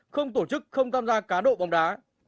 không tổ chức không tham gia cá độ bóng đá